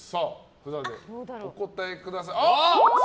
札でお答えください。